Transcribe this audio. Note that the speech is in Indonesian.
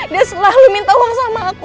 dia selalu minta uang sama aku